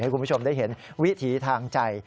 คุณผู้ชมได้เห็นวิถีทางใจ